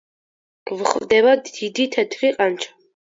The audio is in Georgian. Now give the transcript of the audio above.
გვხვდება დიდი თეთრი ყანჩა.